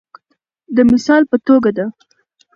د مثال په توګه د